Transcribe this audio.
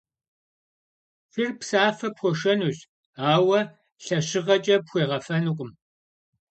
Шыр псафэ пхуэшэнущ, ауэ лъэщыгъэкӏэ пхуегъэфэнукъым.